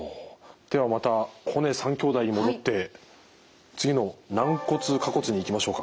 ではまた骨三兄弟に戻って次の軟骨下骨にいきましょうか。